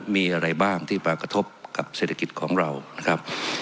มีอะไรบ้างที่มากระทบกับเศรษฐกิจของเรานะครับ